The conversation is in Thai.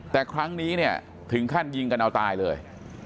แต่ครั้งนี้เนี่ยถึงขั้นยิงกันเอาตายเลย